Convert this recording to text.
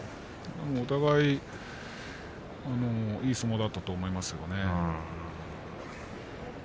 お互い、いい相撲だったと思います。